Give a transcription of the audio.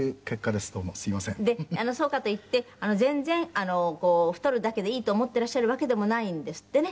でそうかといって全然太るだけでいいと思ってらっしゃるわけでもないんですってね。